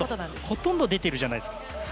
ほとんど出てるじゃないですか！